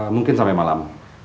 mungkin sampai malam